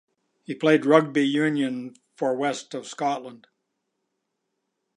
He played rugby union for West of Scotland.